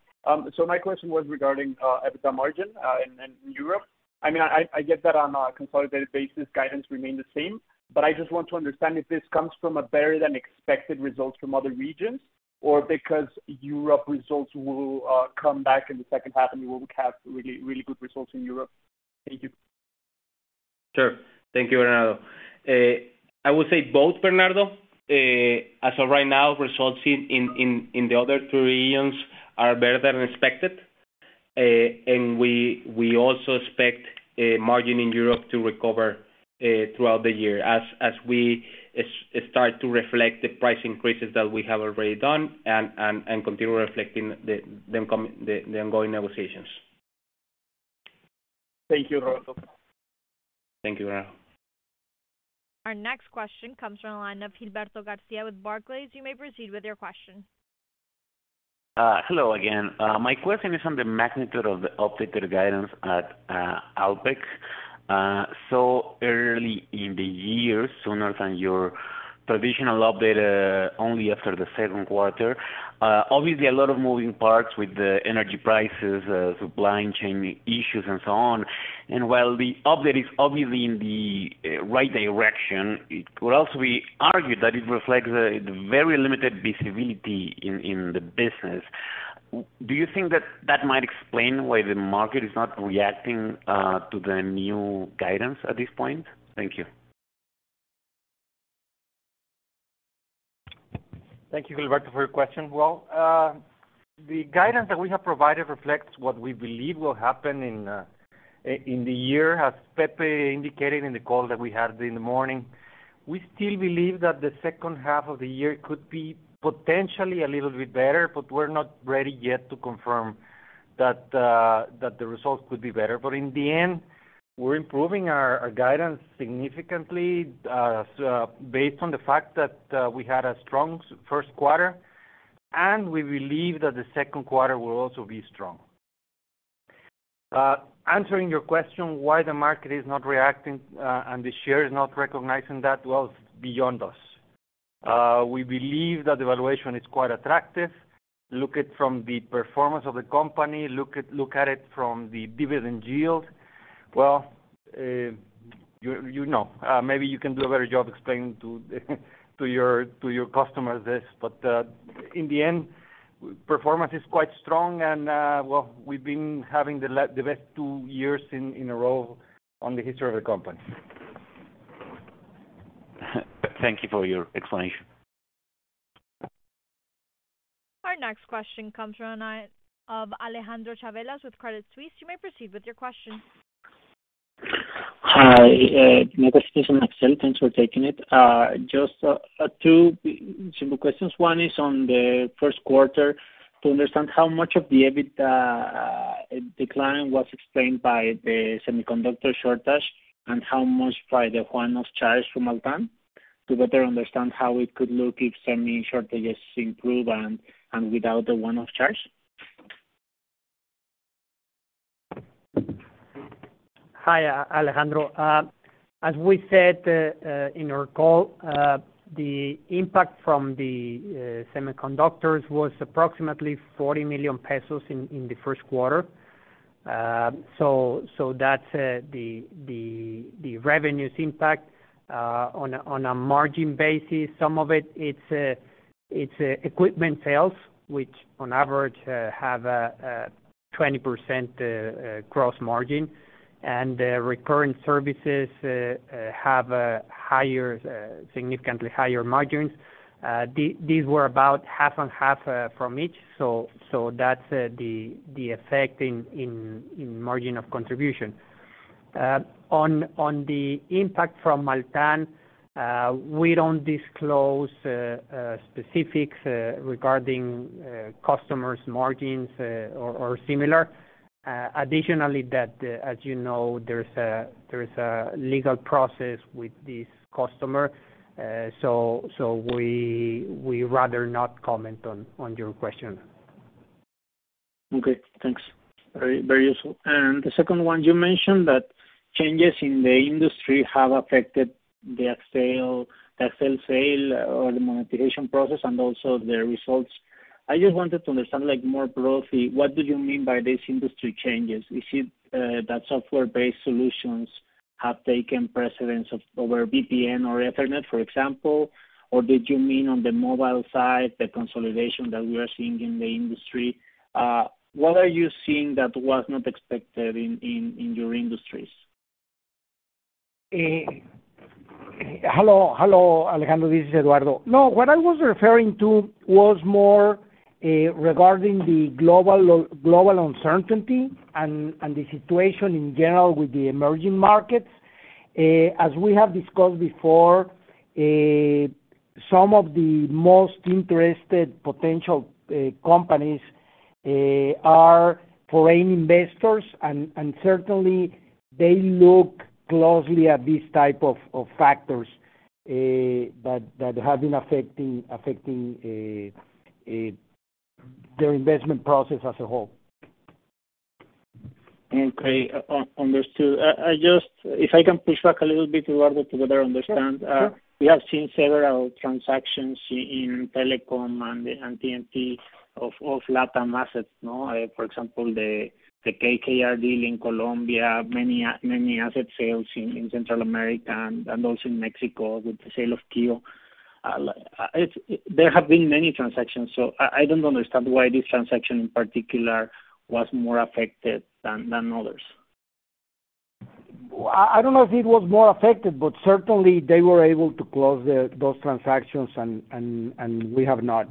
So my question was regarding EBITDA margin in Europe. I mean, I get that on a consolidated basis, guidance remain the same. But I just want to understand if this comes from a better than expected results from other regions, or because Europe results will come back in the second half, and you will have really good results in Europe. Thank you. Sure. Thank you, Bernardo. I would say both, Bernardo. As of right now, results in the other two regions are better than expected. We also expect margin in Europe to recover throughout the year as we start to reflect the price increases that we have already done and continue reflecting those coming from the ongoing negotiations. Thank you, Roberto. Thank you, Bernardo. Our next question comes from a line of Gilberto Garcia with Barclays. You may proceed with your question. Hello again. My question is on the magnitude of the updated guidance at Alpek. Early in the year, sooner than your provisional update, only after the second quarter. Obviously a lot of moving parts with the energy prices, supply chain issues, and so on. While the update is obviously in the right direction, it could also be argued that it reflects the very limited visibility in the business. Do you think that might explain why the market is not reacting to the new guidance at this point? Thank you. Thank you, Gilberto, for your question. The guidance that we have provided reflects what we believe will happen in the year. As Pepe indicated in the call that we had in the morning, we still believe that the second half of the year could be potentially a little bit better, but we're not ready yet to confirm that the results could be better. In the end, we're improving our guidance significantly based on the fact that we had a strong first quarter, and we believe that the second quarter will also be strong. Answering your question, why the market is not reacting and the share is not recognizing that, well, it's beyond us. We believe that the valuation is quite attractive. Look at it from the performance of the company, look at it from the dividend yield. Well, you know, maybe you can do a better job explaining to your customers this. In the end, performance is quite strong and, well, we've been having the best two years in a row in the history of the company. Thank you for your explanation. Our next question comes from Alejandro Chavelas with Credit Suisse. You may proceed with your question. Hi, my question is on Axtel. Thanks for taking it. Just two simple questions. One is on the first quarter, to understand how much of the EBIT decline was explained by the semiconductor shortage, and how much by the one-off charge from Altamira, to better understand how it could look if semi shortages improve and without the one-off charge. Hi Alejandro. As we said in our call, the impact from the semiconductors was approximately 40 million pesos in the first quarter. So that's the revenues impact. On a margin basis, some of it is equipment sales, which on average have 20% gross margin. Recurring services have significantly higher margins. These were about half and half from each, so that's the effect in margin of contribution. On the impact from Altamira, we don't disclose specifics regarding customers' margins or similar. Additionally, that, as you know, there's a legal process with this customer, so we rather not comment on your question. Okay, thanks. Very, very useful. The second one, you mentioned that changes in the industry have affected the Axtel sale or the monetization process and also the results. I just wanted to understand like more broadly, what do you mean by these industry changes? Is it that software-based solutions have taken precedence over VPN or Ethernet, for example? Or did you mean on the mobile side, the consolidation that we are seeing in the industry? What are you seeing that was not expected in your industries? Hello, hello, Alejandro. This is Eduardo. No, what I was referring to was more regarding the global uncertainty and the situation in general with the emerging markets. As we have discussed before, some of the most interested potential companies are foreign investors and certainly they look closely at these type of factors that have been affecting their investment process as a whole. Okay. Understood. If I can push back a little bit, Eduardo, to better understand. Sure. We have seen several transactions in telecom and TMT of LatAm assets, no? For example, the KKR deal in Colombia, many asset sales in Central America and also in Mexico with the sale of Kio. There have been many transactions, so I don't understand why this transaction in particular was more affected than others. I don't know if it was more affected, but certainly they were able to close those transactions and we have not.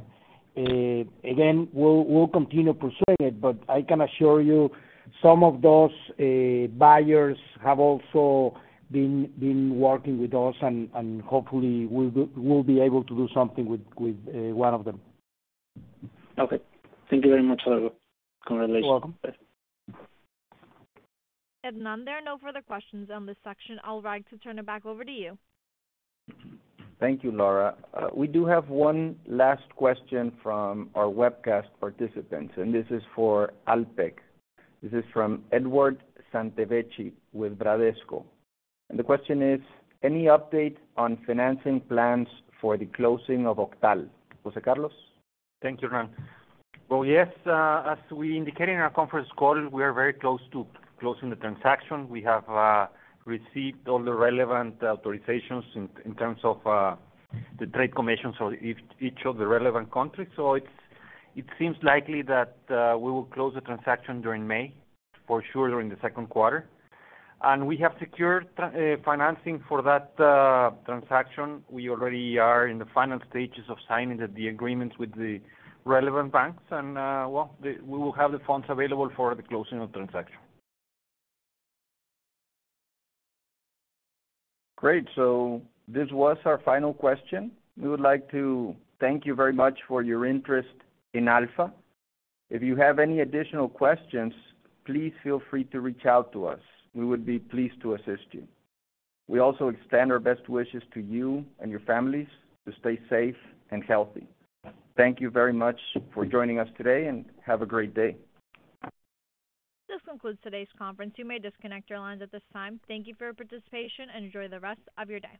Again, we'll continue pursuing it, but I can assure you some of those buyers have also been working with us and hopefully we'll be able to do something with one of them. Okay. Thank you very much, Eduardo. Congratulations. You're welcome. Hernán, there are no further questions on this section. All right, to turn it back over to you. Thank you, Laura. We do have one last question from our webcast participants, and this is for Alpek. This is from Edward Santevecchi with Bradesco. The question is: Any update on financing plans for the closing of OCTAL? José Carlos? Thank you, Hernán. Well, yes, as we indicated in our conference call, we are very close to closing the transaction. We have received all the relevant authorizations in terms of the trade commissions of each of the relevant countries. It seems likely that we will close the transaction during May, for sure during the second quarter. We have secured financing for that transaction. We already are in the final stages of signing the agreements with the relevant banks and, well, we will have the funds available for the closing of transaction. Great. This was our final question. We would like to thank you very much for your interest in Alfa. If you have any additional questions, please feel free to reach out to us. We would be pleased to assist you. We also extend our best wishes to you and your families to stay safe and healthy. Thank you very much for joining us today, and have a great day. This concludes today's conference. You may disconnect your lines at this time. Thank you for your participation, and enjoy the rest of your day.